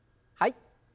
はい。